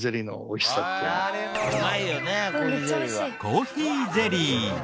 コーヒーゼリー。